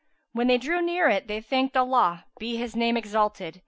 When they drew near it, they thanked Allah (be His Name exalted!)